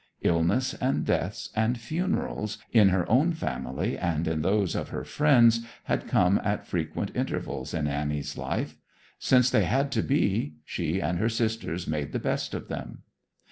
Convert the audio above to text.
Illness and deaths and funerals, in her own family and in those of her friends, had come at frequent intervals in Annie's life. Since they had to be, she and her sisters made the best of them.